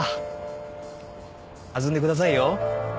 弾んでくださいよ。